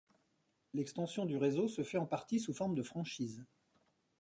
L'extension du réseau se fait en partie sous forme de franchises.